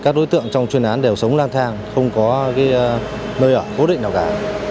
các đối tượng trong chuyên án đều sống lang thang không có nơi ở cố định nào cả